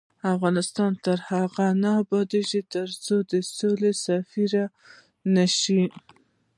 افغانستان تر هغو نه ابادیږي، ترڅو د سولې سفیران نشو.